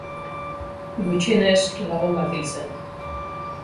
Gutxienez lagun bat hil zen.